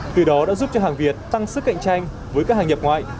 từ đó đã giúp cho hàng việt tăng sức cạnh tranh với các hàng nhập ngoại